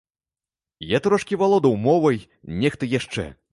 Я трошкі валодаў мовай, нехта яшчэ.